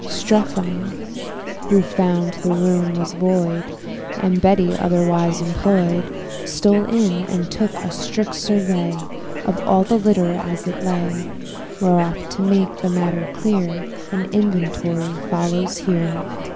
Strephon, who found the room was void, And Betty otherwise employ'd, Stole in, and took a strict survey Of all the litter as it lay: Whereof, to make the matter clear, An inventory follows here.